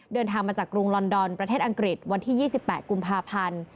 เดินทางมาจากกรุงลอนดอนประเทศอังกฤษวันที่๒๘กุมภาพันธ์